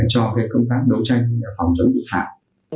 cho công tác đấu tranh phòng chống tội phạm